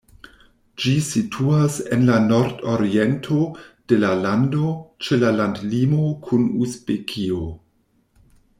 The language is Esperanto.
Ĝi situas en la nordoriento de la lando, ĉe la landlimo kun Uzbekio.